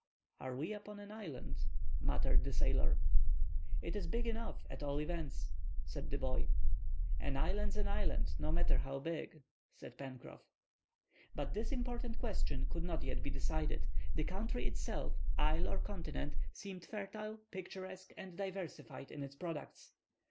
"Are we upon an island?" muttered the sailor. "It is big enough, at all events," said the boy. "An island's an island, no matter how big," said Pencroff. But this important question could not yet be decided. The country itself, isle or continent, seemed fertile, picturesque, and diversified in its products.